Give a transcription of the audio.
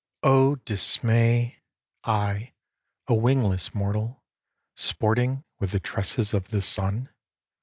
O dismay! I, a wingless mortal, sporting With the tresses of the sun?